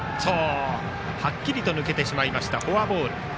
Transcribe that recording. はっきりと抜けてしまいましたフォアボール。